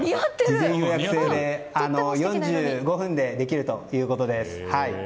事前予約制で４５分でできるということです。